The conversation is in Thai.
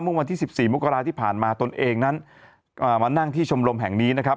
เมื่อวันที่๑๔มกราที่ผ่านมาตนเองนั้นมานั่งที่ชมรมแห่งนี้นะครับ